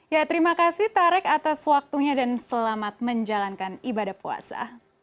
ya terima kasih tarek atas waktunya dan selamat menjalankan ibadah puasa